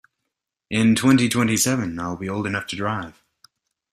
In twenty-twenty-seven I will old enough to drive.